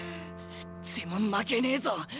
でも負けねえぞ。